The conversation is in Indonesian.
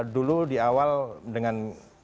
dulu di awal dengan